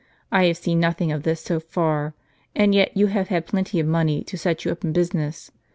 I have seen nothing of this so fai ; and yet you have had plenty of money to set you up in busi ness.